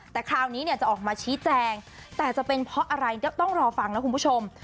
แต่คราวนี้เนี่ยจะออกมาชี้แจงแต่จะเป็นเพราะอะไรเดี๋ยวต้องรอฟังนะคุณผู้ชม